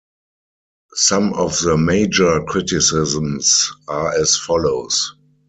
Some of the major criticisms are as follows.